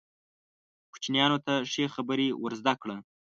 کوچنیانو ته ښې خبرې ور زده کړه.